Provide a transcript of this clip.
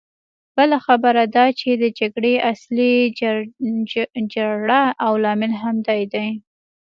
بله خبره دا چې د جګړې اصلي جرړه او لامل همدی دی.